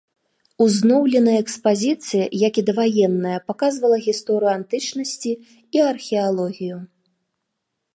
Узноўленая экспазіцыя, як і даваенная, паказвала гісторыю антычнасці і археалогію.